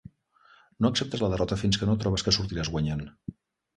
No acceptes la derrota fins que no trobes que sortiràs guanyant.